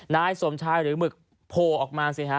นายสมชายหรือหมึกโผล่ออกมาสิฮะ